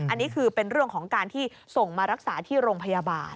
อันนี้คือเป็นเรื่องของการที่ส่งมารักษาที่โรงพยาบาล